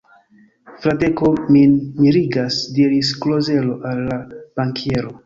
Fradeko min mirigas, diris Klozelo al la bankiero.